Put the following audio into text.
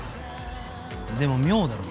でも妙だろ。